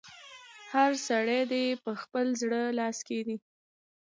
هر سړی دې پر خپل زړه لاس کېږي.